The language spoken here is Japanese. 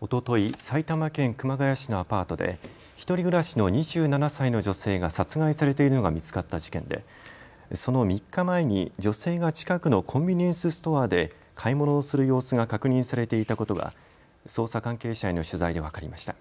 おととい、埼玉県熊谷市のアパートで１人暮らしの２７歳の女性が殺害されているのが見つかった事件でその３日前に女性が近くのコンビニエンスストアで買い物をする様子が確認されていたことが捜査関係者への取材で分かりました。